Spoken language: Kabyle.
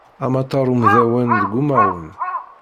Amatar udmawan deg umaɣun.